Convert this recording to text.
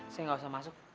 saya gak usah masuk